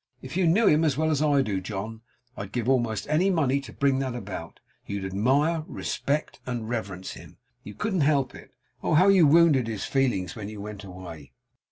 If you knew him as well as I do John, I'd give almost any money to bring that about you'd admire, respect, and reverence him. You couldn't help it. Oh, how you wounded his feelings when you went away!